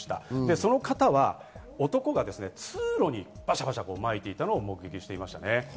その方は男が通路にバシャバシャまいていたのを目撃していました。